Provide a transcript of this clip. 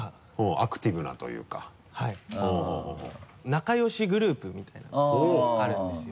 仲良しグループみたいなのがあるんですよ。